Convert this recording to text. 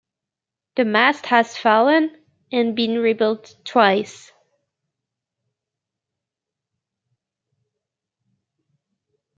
The mast has fallen and been rebuilt twice.